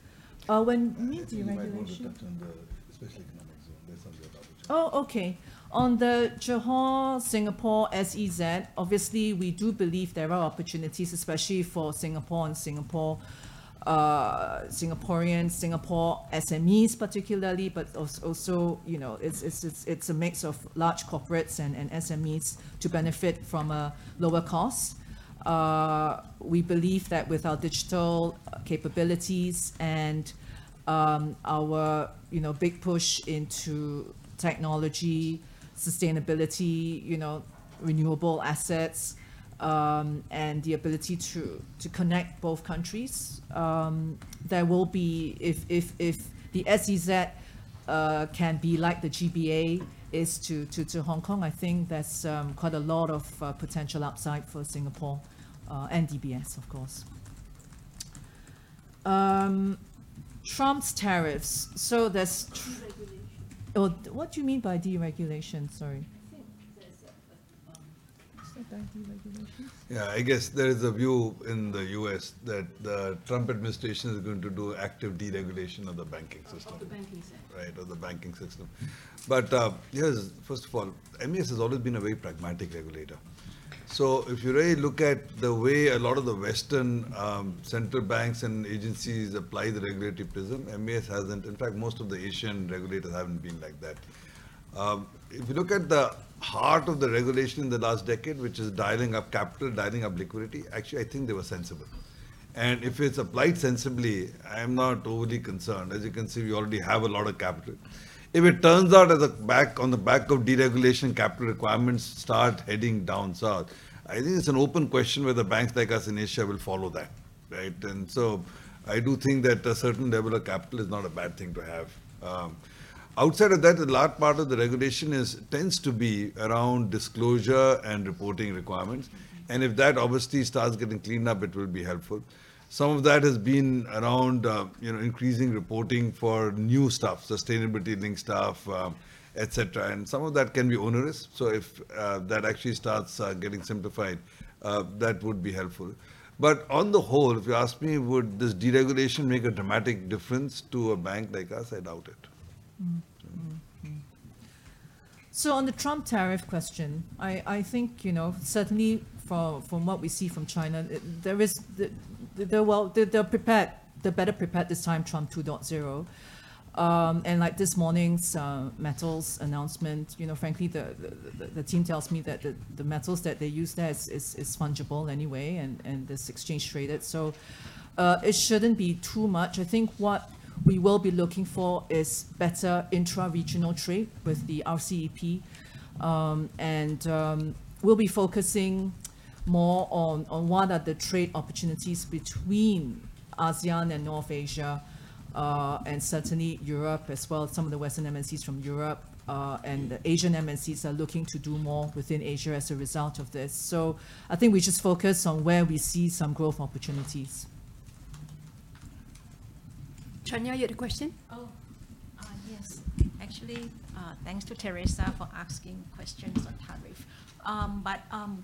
When... You mean deregulation? You might want to touch on the Special Economic Zone. There's something about the- Oh, okay. On the Johor-Singapore SEZ, obviously, we do believe there are opportunities, especially for Singapore and Singaporeans, Singapore SMEs particularly, but also, you know, it's a mix of large corporates and SMEs to benefit from a lower cost. We believe that with our digital capabilities and our, you know, big push into technology, sustainability, you know, renewable assets, and the ability to connect both countries, there will be... If the SEZ can be like the GBA is to Hong Kong, I think there's quite a lot of potential upside for Singapore and DBS, of course. Trump's tariffs. So there's- Deregulation. Oh, what do you mean by deregulation? Sorry. I think there's, What's the bank deregulation? Yeah, I guess there is a view in the U.S. that the Trump administration is going to do active deregulation of the banking system. Of the banking system. Right, of the banking system. But yes, first of all, MAS has always been a very pragmatic regulator. So if you really look at the way a lot of the Western central banks and agencies apply the regulatory prism, MAS hasn't. In fact, most of the Asian regulators haven't been like that. If you look at the heart of the regulation in the last decade, which is dialing up capital, dialing up liquidity, actually, I think they were sensible. And if it's applied sensibly, I'm not overly concerned. As you can see, we already have a lot of capital. If it turns out, on the back of deregulation, capital requirements start heading down south, I think it's an open question whether banks like us in Asia will follow that, right? And so I do think that a certain level of capital is not a bad thing to have. Outside of that, a large part of the regulation is, tends to be around disclosure and reporting requirements, and if that obviously starts getting cleaned up, it will be helpful. Some of that has been around, you know, increasing reporting for new stuff, sustainability stuff, et cetera, and some of that can be onerous. So if that actually starts getting simplified, that would be helpful. But on the whole, if you ask me, would this deregulation make a dramatic difference to a bank like us? I doubt it. So on the Trump tariff question, I think, you know, certainly from what we see from China, they're well prepared. They're better prepared this time, Trump 2.0. And like this morning's metals announcement, you know, frankly, the team tells me that the metals that they use there is fungible anyway, and it's exchange-traded, so it shouldn't be too much. I think what we will be looking for is better intra-regional trade with the RCEP. And we'll be focusing more on what are the trade opportunities between ASEAN and North Asia, and certainly Europe as well. Some of the Western MNCs from Europe and the Asian MNCs are looking to do more within Asia as a result of this. I think we just focus on where we see some growth opportunities. Chanya, you had a question? Oh, yes. Actually, thanks to Teresa for asking questions on tariff. But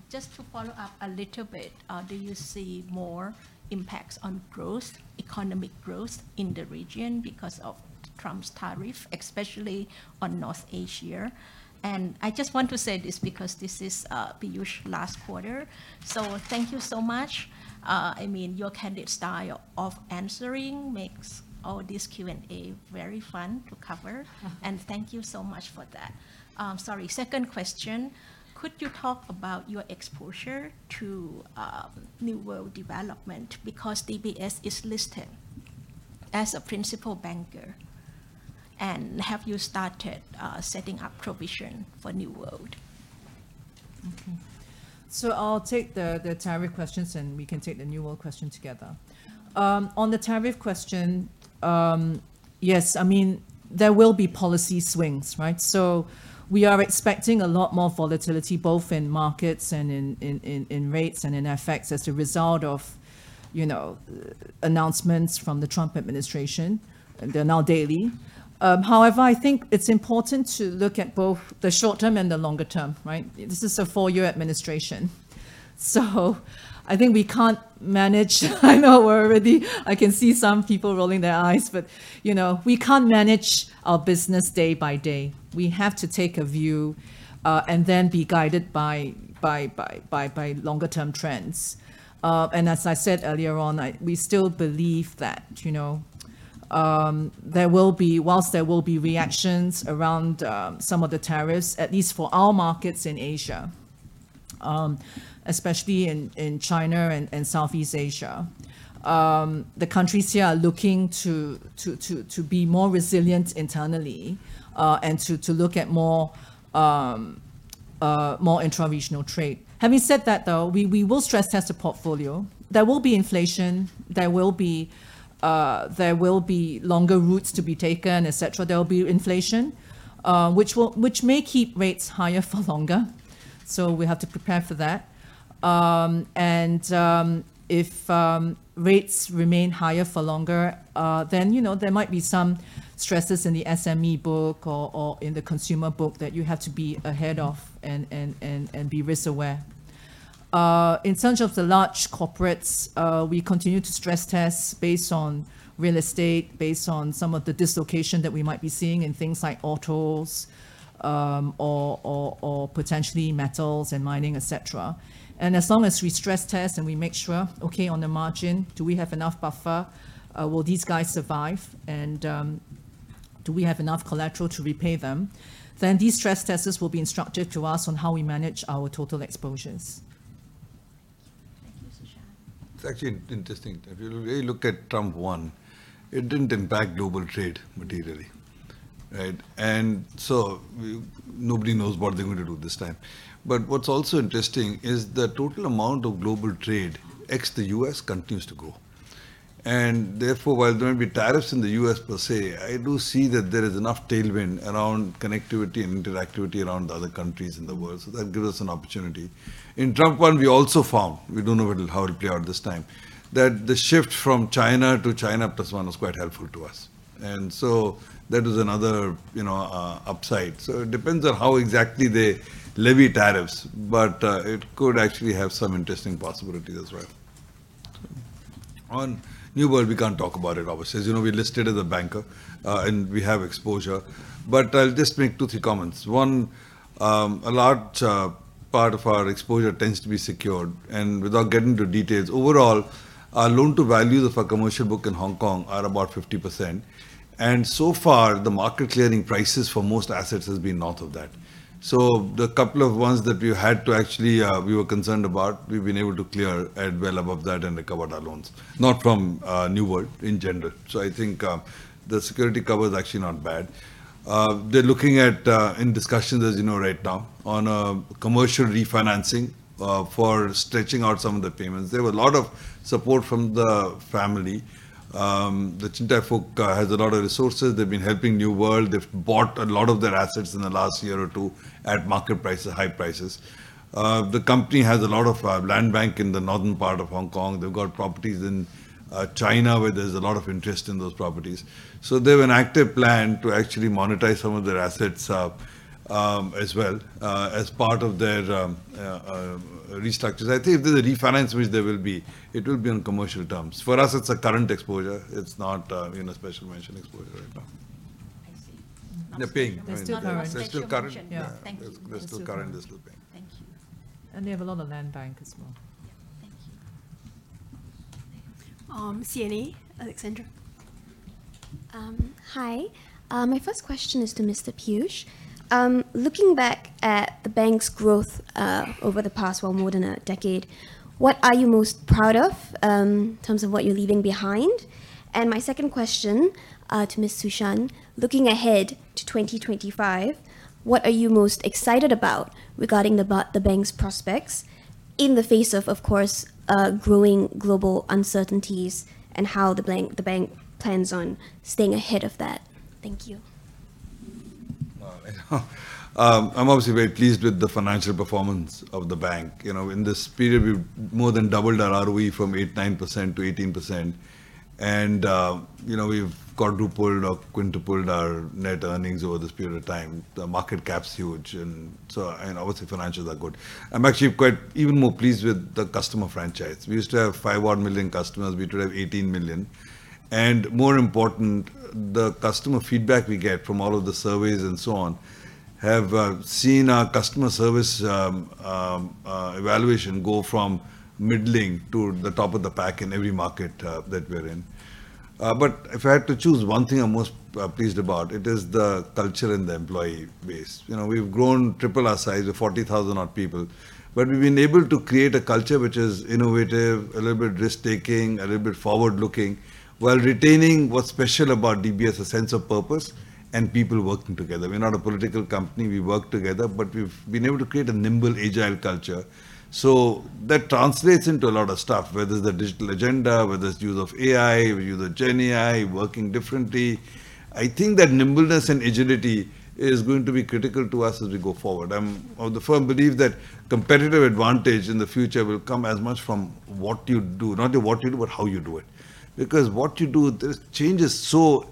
just to follow up a little bit, do you see more impacts on growth, economic growth, in the region because of Trump's tariff, especially on North Asia? I just want to say this because this is Piyush's last quarter, so thank you so much. I mean, your candid style of answering makes this Q&A very fun to cover and thank you so much for that. Sorry, second question: Could you talk about your exposure to New World Development, because DBS is listed as a principal banker, and have you started setting up provision for New World? Okay. So I'll take the tariff questions, and we can take the New World question together. On the tariff question, yes, I mean, there will be policy swings, right? So we are expecting a lot more volatility, both in markets and in rates and in FX, as a result of, you know, announcements from the Trump administration, and they're now daily. However, I think it's important to look at both the short term and the longer term, right? This is a four-year administration, so I think we can't manage. I know we're already... I can see some people rolling their eyes, but, you know, we can't manage our business day by day. We have to take a view, and then be guided by longer term trends. And as I said earlier on, we still believe that, you know, whilst there will be reactions around some of the tariffs, at least for our markets in Asia, especially in China and Southeast Asia, the countries here are looking to be more resilient internally, and to look at more intra-regional trade. Having said that, though, we will stress test the portfolio. There will be inflation, there will be longer routes to be taken, et cetera. There will be inflation, which may keep rates higher for longer, so we have to prepare for that. If rates remain higher for longer, then, you know, there might be some stresses in the SME book or in the consumer book that you have to be ahead of and be risk aware. In terms of the large corporates, we continue to stress test based on real estate, based on some of the dislocation that we might be seeing in things like autos, or potentially metals and mining, et cetera. And as long as we stress test and we make sure, okay, on the margin, do we have enough buffer, will these guys survive, and do we have enough collateral to repay them? Then these stress tests will instruct us on how we manage our total exposures. Thank you, Su Shan. It's actually interesting. If you really look at Trump one, it didn't impact global trade materially, right? And so we, nobody knows what they're going to do this time. But what's also interesting is the total amount of global trade ex the US continues to grow, and therefore, while there might be tariffs in the US per se, I do see that there is enough tailwind around connectivity and interactivity around the other countries in the world, so that gives us an opportunity. In Trump one, we also found, we don't know what it, how it will play out this time, that the shift from China to China plus one was quite helpful to us, and so that is another, you know, upside. So it depends on how exactly they levy tariffs, but, it could actually have some interesting possibilities as well. On New World, we can't talk about it, obviously. As you know, we're listed as a banker, and we have exposure, but I'll just make two, three comments. One, a large part of our exposure tends to be secured. And without getting into details, overall, our loan-to-values of our commercial book in Hong Kong are about 50%, and so far, the market clearing prices for most assets has been north of that. So the couple of ones that we had to actually, we were concerned about, we've been able to clear at well above that and recovered our loans, not from New World, in general. So I think, the security cover is actually not bad. They're looking at, in discussions, as you know, right now, on commercial refinancing, for stretching out some of the payments. There was a lot of support from the family. The Chow Tai Fook has a lot of resources. They've been helping New World. They've bought a lot of their assets in the last year or two at market prices, high prices. The company has a lot of land bank in the northern part of Hong Kong. They've got properties in China, where there's a lot of interest in those properties. So they have an active plan to actually monetize some of their assets, as well, as part of their restructures. I think if there's a refinance, which there will be, it will be on commercial terms. For us, it's a current exposure. It's not, you know, special mention exposure right now. I see. They're paying. They're still there. They're still current. Special mention. Yeah. Thank you. They're still current. They're still paying. Thank you. They have a lot of land bank as well. Yeah. Thank you. CNA, Alexandra? Hi. My first question is to Mr. Piyush. Looking back at the bank's growth, over the past, well, more than a decade, what are you most proud of, in terms of what you're leaving behind? And my second question, to Ms. Su Shan: Looking ahead to 2025, what are you most excited about regarding the bank's prospects in the face of, of course, growing global uncertainties, and how the bank plans on staying ahead of that? Thank you. Well, I'm obviously very pleased with the financial performance of the bank. You know, in this period, we've more than doubled our ROE from 8%-9% to 18%. You know, we've quadrupled or quintupled our net earnings over this period of time. The market cap's huge, and so. And obviously, financials are good. I'm actually quite even more pleased with the customer franchise. We used to have 5.1 million customers. We today have 18 million. And more important, the customer feedback we get from all of the surveys and so on have seen our customer service evaluation go from middling to the top of the pack in every market that we're in. But if I had to choose one thing I'm most pleased about, it is the culture and the employee base. You know, we've grown triple our size of 40,000 odd people, but we've been able to create a culture which is innovative, a little bit risk-taking, a little bit forward-looking, while retaining what's special about DBS, a sense of purpose and people working together. We're not a political company. We work together, but we've been able to create a nimble, agile culture. So that translates into a lot of stuff, whether it's the digital agenda, whether it's use of AI, we use of GenAI, working differently. I think that nimbleness and agility is going to be critical to us as we go forward. I'm of the firm belief that competitive advantage in the future will come as much from what you do, not only what you do, but how you do it. Because what you do, the change is so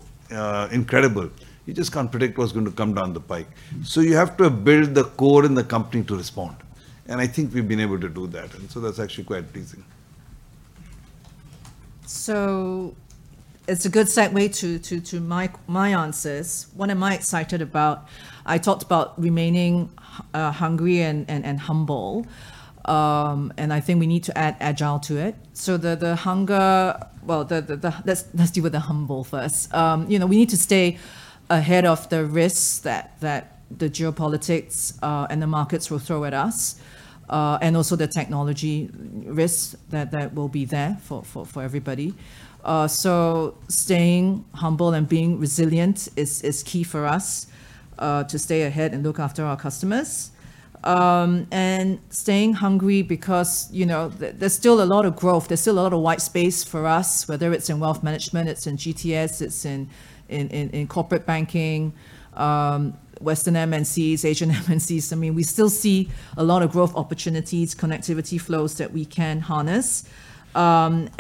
incredible, you just can't predict what's going to come down the pike. So you have to build the core in the company to respond, and I think we've been able to do that, and so that's actually quite pleasing. So it's a good segue to my answers. What am I excited about? I talked about remaining hungry and humble, and I think we need to add agile to it. So let's deal with the humble first. You know, we need to stay ahead of the risks that the geopolitics and the markets will throw at us, and also the technology risks that will be there for everybody. So staying humble and being resilient is key for us to stay ahead and look after our customers. And staying hungry because, you know, there's still a lot of growth, there's still a lot of white space for us, whether it's in wealth management, it's in GTS, it's in corporate banking, Western MNCs, Asian MNCs. I mean, we still see a lot of growth opportunities, connectivity flows that we can harness. And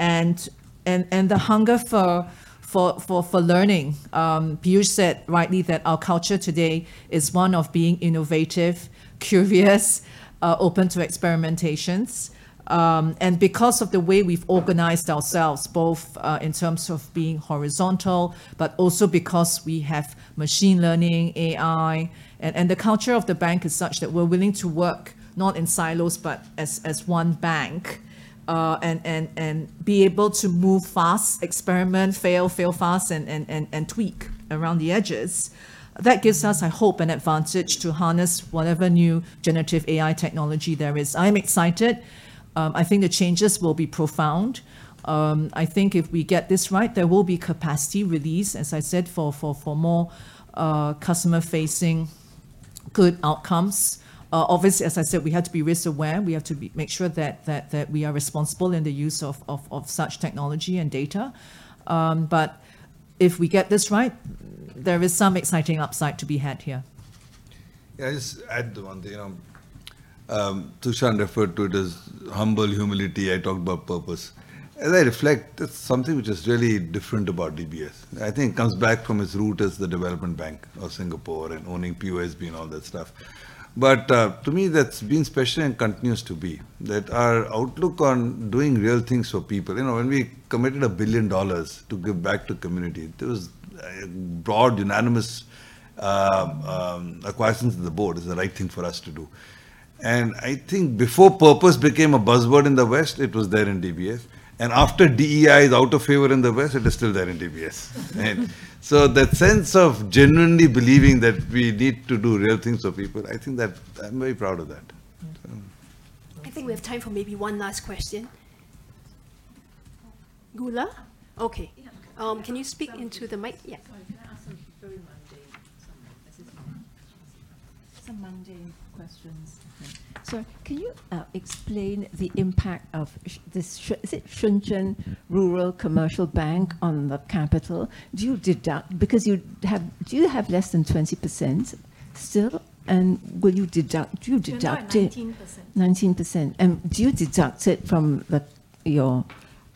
the hunger for learning, Piyush said rightly that our culture today is one of being innovative, curious, open to experimentations. And because of the way we've organized ourselves, both in terms of being horizontal, but also because we have machine learning, AI, and the culture of the bank is such that we're willing to work not in silos, but as one bank, and be able to move fast, experiment, fail, fail fast, and tweak around the edges. That gives us, I hope, an advantage to harness whatever new generative AI technology there is. I'm excited. I think the changes will be profound. I think if we get this right, there will be capacity release, as I said, for more customer-facing good outcomes. Obviously, as I said, we have to be risk-aware. We have to make sure that we are responsible in the use of such technology and data. But if we get this right, there is some exciting upside to be had here. Yeah, I'll just add one thing. Su Shan referred to it as humble humility. I talked about purpose. As I reflect, that's something which is really different about DBS. I think it comes back from its root as the Development Bank of Singapore and owning POSB and all that stuff. But to me, that's been special and continues to be, that our outlook on doing real things for people. You know, when we committed 1 billion dollars to give back to community, there was a broad, unanimous acquiescence from the board that it is the right thing for us to do. I think before purpose became a buzzword in the West, it was there in DBS. And after DEI is out of favor in the West, it is still there in DBS. And so that sense of genuinely believing that we need to do real things for people, I think that I'm very proud of that. I think we have time for maybe one last question. Gula? Okay. Yeah. Can you speak into the mic? Yeah. Sorry, can I ask a very mundane somewhere. This is more some mundane questions. So can you explain the impact of this, is it Shenzhen Rural Commercial Bank on the capital? Do you deduct—Because you have, do you have less than 20% still? And will you deduct, do you deduct it- Nineteen percent. 19%. Do you deduct it from the, your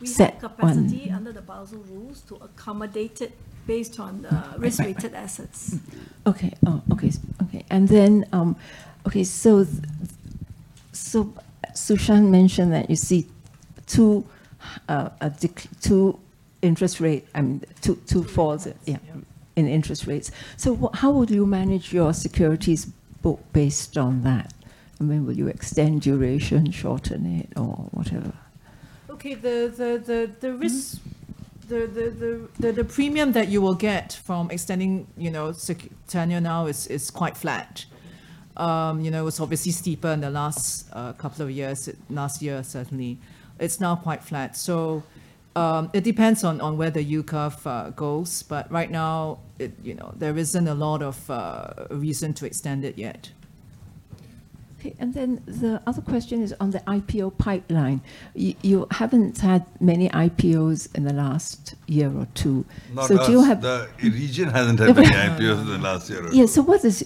CET1? We have capacity under the Basel rules to accommodate it based on the risk-weighted assets. Okay. Oh, okay, okay. And then, okay, so, so Su Shan mentioned that you see two, two interest rate, I mean, two, two falls- Yeah. in interest rates. So what, how would you manage your securities book based on that? I mean, will you extend duration, shorten it, or whatever? Okay, the risk- Mm-hmm. The premium that you will get from extending, you know, tenure now is quite flat. You know, it's obviously steeper in the last couple of years, last year, certainly. It's now quite flat. So, it depends on where the yield curve goes, but right now, you know, there isn't a lot of reason to extend it yet. Okay, and then the other question is on the IPO pipeline. You haven't had many IPOs in the last year or two. Not us- Do you have-... The region hasn't had many IPOs in the last year or two. Yeah, so,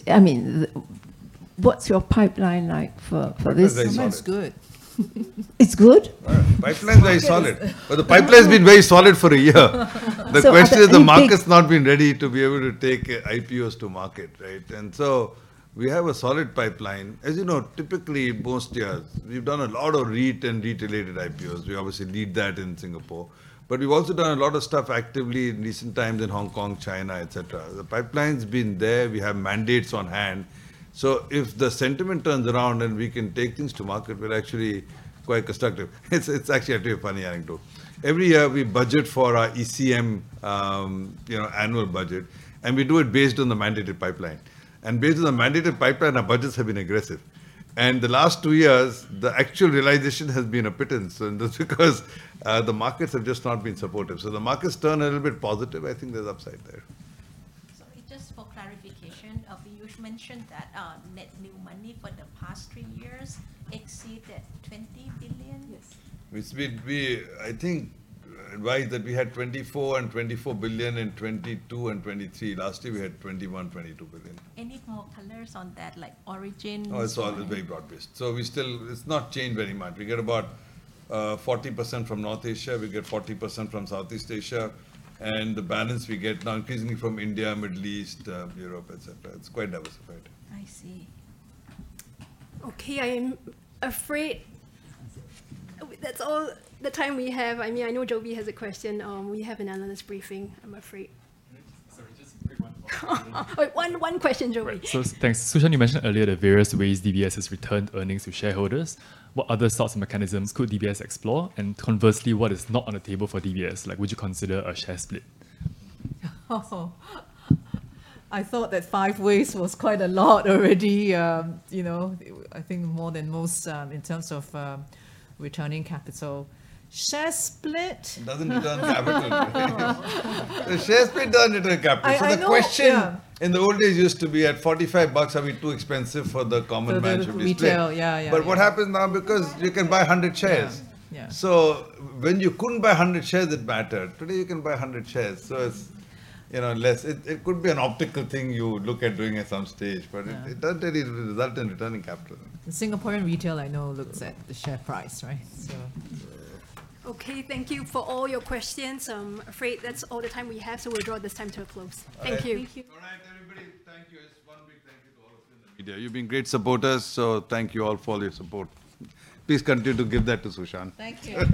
I mean, what's your pipeline like for this year? The pipeline is good. It's good. Pipeline is very solid. Okay. But the pipeline has been very solid for a year. I think- The question is, the market's not been ready to be able to take IPOs to market, right? And so we have a solid pipeline. As you know, typically, most years, we've done a lot of REIT and REIT-related IPOs. We obviously lead that in Singapore. But we've also done a lot of stuff actively in recent times in Hong Kong, China, et cetera. The pipeline's been there, we have mandates on hand. So if the sentiment turns around and we can take things to market, we're actually quite constructive. It's actually a very funny anecdote. Every year, we budget for our ECM, you know, annual budget, and we do it based on the mandated pipeline. And based on the mandated pipeline, our budgets have been aggressive. The last two years, the actual realization has been a pittance, and that's because the markets have just not been supportive. The market's turned a little bit positive, I think there's upside there. Sorry, just for clarification, Avi, you mentioned that net new money for the past three years exceeded SGD 20 billion? Yes. I think, right, that we had 24 and 24 billion in 2022 and 2023. Last year, we had 21-22 billion. Any more colors on that, like origin? Oh, so that's very broad-based. So we still... It's not changed very much. We get about 40% from North Asia, we get 40% from Southeast Asia, and the balance we get now increasingly from India, Middle East, Europe, et cetera. It's quite diversified. I see. Okay, I'm afraid that's all the time we have. I mean, I know Jovi has a question. We have an analyst briefing, I'm afraid. Sorry, just very one follow-up. One, one question, Jovi. Right. So thanks. Su Shan, you mentioned earlier the various ways DBS has returned earnings to shareholders. What other sorts of mechanisms could DBS explore? And conversely, what is not on the table for DBS? Like, would you consider a share split? Oh, I thought that five ways was quite a lot already, you know, I think more than most, in terms of, returning capital. Share split? Doesn't return capital. Oh. The share split doesn't return capital. I know. So the question- Yeah... in the old days used to be at $45, are we too expensive for the common man? Should we split? For the retail, yeah, yeah, yeah. What happens now, because you can buy 100 shares. Yeah, yeah. So when you couldn't buy 100 shares, it mattered. Today, you can buy 100 shares, so it's, you know, less. It, it could be an optical thing you would look at doing at some stage- Yeah... but it doesn't really result in returning capital. The Singaporean retail I know looks at the share price, right? So... Okay, thank you for all your questions. I'm afraid that's all the time we have, so we'll draw this time to a close. All right. Thank you. Thank you. All right, everybody, thank you. Just one big thank you to all of you in the media. You've been great supporters, so thank you all for your support. Please continue to give that to Su Shan. Thank you.